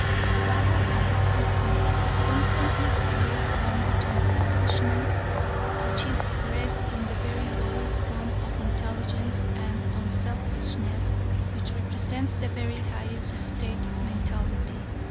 The battle of existence is constantly carried on between selfishness, which is bred from the very lowest form of intelligence, and unselfishness, which represents the very highest state of mentality.